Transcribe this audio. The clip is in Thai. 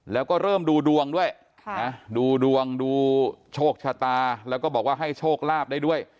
แล้วก็เริ่มดูดวงด้วยดูดวงดูโชคชะตาแล้วก็บอกว่าให้โชคลาภได้ด้วย